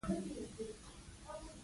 ته دلته څه کوې؟